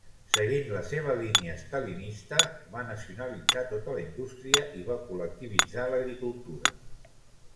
Seguint la seva línia estalinista, va nacionalitzar tota la indústria i va col·lectivitzar l'agricultura.